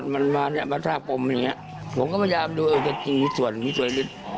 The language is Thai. มันมาเนี่ยมาทาปมอย่างเงี้ยผมก็พยายามดูเออจะจริงมีส่วนมีส่วนลึก